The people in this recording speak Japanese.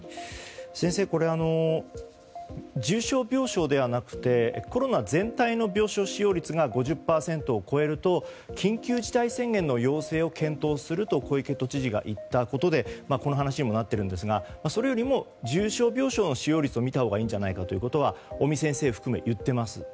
先生、重症病床ではなくてコロナ全体の病床使用率が５０％を超えると緊急事態宣言の要請を検討すると小池都知事が言ったことでこの話にもなっているんですがそれよりも重症病床の使用率を見たほうがいいんじゃないかとは尾身先生含め、言っています。